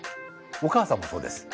お母さんもそうです。